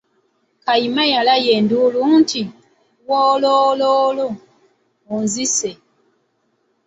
Kayima yalaya enduulu nti, "Wooloolo, onzise."